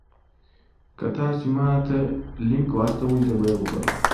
که تاسي ما ته لینک واستوئ زه به یې وګورم.